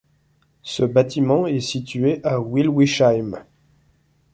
Ce bâtiment est situé à Wilwisheim.